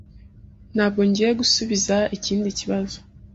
Ntabwo ngiye gusubiza ikindi kibazo.